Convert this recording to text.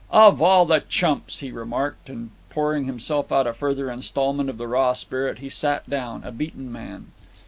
"Of all the chumps!" he remarked, and, pouring himself out a further instalment of the raw spirit, he sat down, a beaten man.